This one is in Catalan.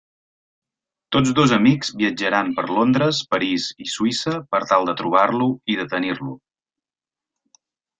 Tots dos amics viatjaran per Londres, París i Suïssa per tal de trobar-lo i detenir-lo.